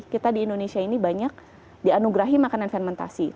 kita di indonesia ini banyak dianugerahi makanan fermentasi